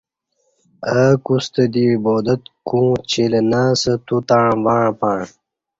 اوہ کوستہ دی عبادت کوں چیلہ نہ اسہ تو تݩع وݩع پݩع